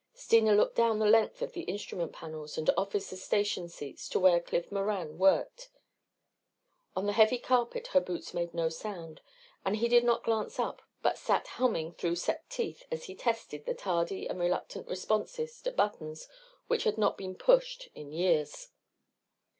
Steena looked down the length of the instrument panels and officers' station seats to where Cliff Moran worked. On the heavy carpet her boots made no sound and he did not glance up but sat humming through set teeth as he tested the tardy and reluctant responses to buttons which had not been pushed in years.